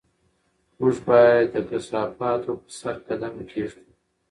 موږ باید د کثافاتو په سر قدم کېږدو.